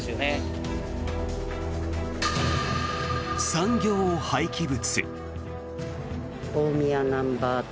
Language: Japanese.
産業廃棄物。